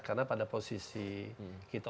karena pada posisi kita